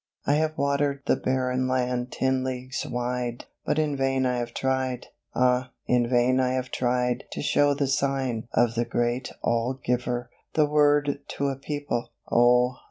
I have watered the barren land ten leagues wide! But in vain I have tried, ah! in vain I have tried To show the sign of the Great All Giver, The Word to a people: O!